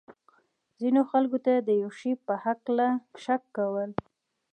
ځینو خلکو ته د یو شي په هکله شک کول.